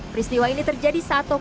peristiwa ini terjadi saat top